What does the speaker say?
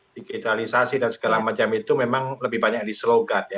digitalisasi dan segala macam itu memang lebih banyak di slogan ya